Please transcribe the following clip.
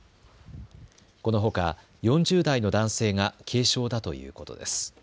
このほか４０代の男性が軽傷だということです。